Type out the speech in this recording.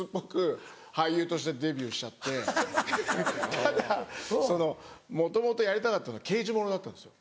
ただもともとやりたかったのは刑事物だったんですよ。